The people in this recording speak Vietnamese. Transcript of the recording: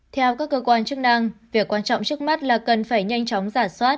theo các cơ quan chức năng việc quan trọng trước mắt là cần phải nhanh chóng giả soát